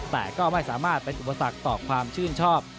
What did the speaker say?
แต่ก็ไม่สามารถเป็นอุปสรรคต่อความชื่นชอบ